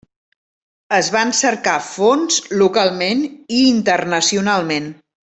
Es van cercar fons localment i internacionalment.